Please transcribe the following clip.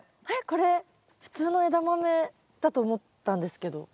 これ普通のエダマメだと思ったんですけど。